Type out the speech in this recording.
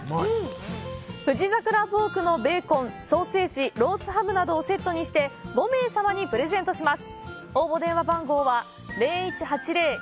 富士桜ポークのベーコン・ソーセージ・ロースハムなどをセットにして５名様にプレゼントします